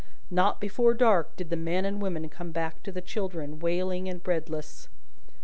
Not before dark night did the men and women come back to the children, wailing and breadless.